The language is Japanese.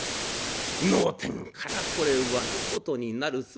脳天からこれ割ることになる。